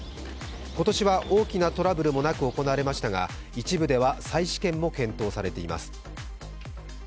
今年は大きなトラブルもなく行われましたが一部では再試験も検討されています。